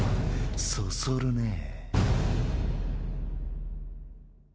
そそるねぇ。